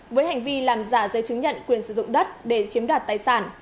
với hành vi làm giả giấy chứng nhận quyền sử dụng đất để chiếm đoạt tài sản